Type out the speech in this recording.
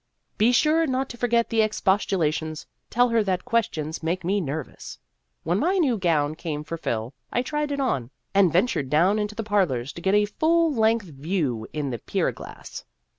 Be sure not to forget the expostula tions. Tell her that questions make me Danger! 251 nervous. When my new gown came for Phil, I tried it on, and ventured down into the parlors to get a full length view in the pier glass.